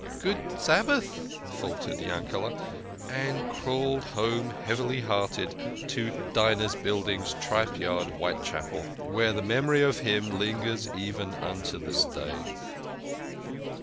" Good Sabbath !" faltered Yankele, and crawled home heavy hearted to Dinah's Buildings, Tripe Yard, White chapel, where the memory of him lingers even unto this day.